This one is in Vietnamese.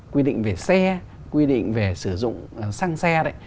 quy định về xe quy định về sử dụng xăng xe đấy